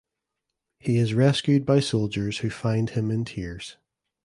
He is rescued by soldiers who find him in tears.